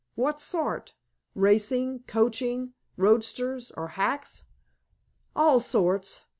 "What sort? Racing, coaching, roadsters, or hacks?" "All sorts.